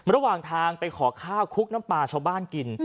ระหว่างทางไปขอข้าวคุกน้ำปลาชาวบ้านกิน